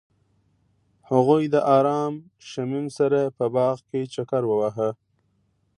هغوی د آرام شمیم سره په باغ کې چکر وواهه.